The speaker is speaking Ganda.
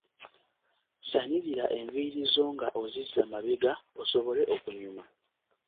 Sanirira enviiri zo nga ozizza mabega osobole okunyuma.